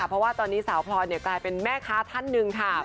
เพราะว่าตอนนี้สาวพลอยกลายเป็นแม่ค้าท่านหนึ่งค่ะ